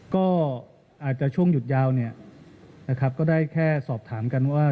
ก็อาจจะช่วงหยุดยาวก็ได้แค่สอบถามกันว่า